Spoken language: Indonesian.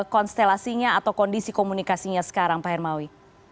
konstelasinya atau kondisi komunikasinya sekarang pak hermawi